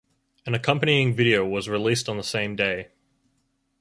An accompanying video was released on the same day.